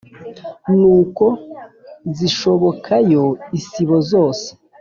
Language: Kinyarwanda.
Kuko zishoboka yo isibo zose